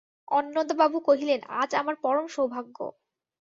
অন্নদাবাবু কহিলেন, আজ আমার পরম সৌভাগ্য।